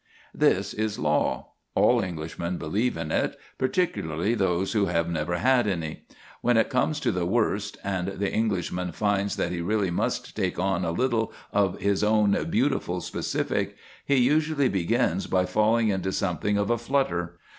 This is law. All Englishmen believe in it, particularly those who have never had any. When it comes to the worst, and the Englishman finds that he really must take on a little of his own beautiful specific, he usually begins by falling into something of a flutter.